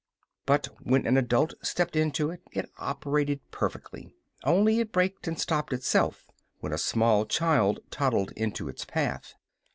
But when an adult stepped into it, it operated perfectly only it braked and stopped itself when a small child toddled into its path.